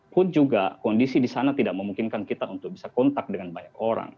pun juga kondisi di sana tidak memungkinkan kita untuk bisa kontak dengan banyak orang